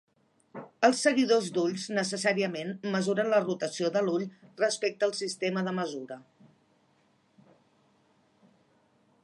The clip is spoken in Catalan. Els seguidors d’ulls necessàriament mesuren la rotació de l'ull respecte al sistema de mesura.